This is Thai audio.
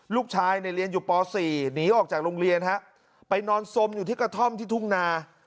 ลูกชายเนี่ยเรียนอยู่ป๔หนีออกจากโรงเรียนฮะไปนอนสมอยู่ที่กระท่อมที่ทุ่งนา